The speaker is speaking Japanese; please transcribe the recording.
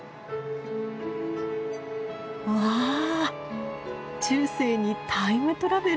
うわ中世にタイムトラベル！